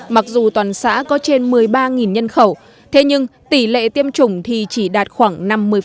mặc dù toàn xã có trên một mươi ba nhân khẩu thế nhưng tỷ lệ tiêm chủng thì chỉ đạt khoảng năm mươi